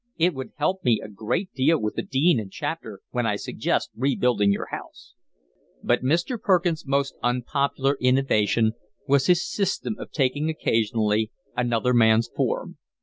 It would help me a great deal with the Dean and Chapter when I suggest rebuilding your house." But Mr. Perkins' most unpopular innovation was his system of taking occasionally another man's form.